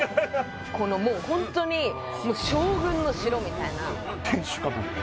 このもうホントに将軍の城みたいな天守閣みたい